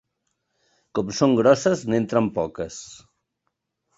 Com són grosses, n'entren poques.